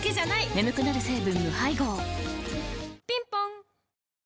眠くなる成分無配合ぴんぽん